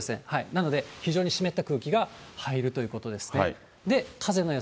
なので、非常に湿った空気が入るということですね。